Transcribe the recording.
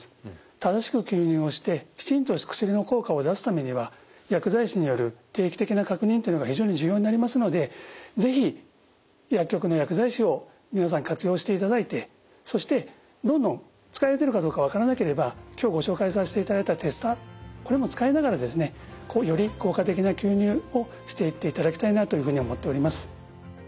正しく吸入をしてきちんと薬の効果を出すためには薬剤師による定期的な確認というのが非常に重要になりますので是非薬局の薬剤師を皆さん活用していただいてそしてどんどん使えてるかどうか分からなければ今日ご紹介させていただいたテスターこれも使いながらですねより効果的な吸入をしていっていただきたいなというふうに思っております。